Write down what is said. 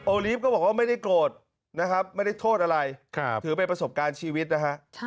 ลีฟก็บอกว่าไม่ได้โกรธนะครับไม่ได้โทษอะไรถือเป็นประสบการณ์ชีวิตนะฮะ